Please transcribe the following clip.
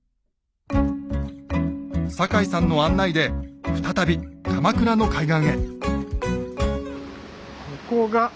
坂井さんの案内で再び鎌倉の海岸へ。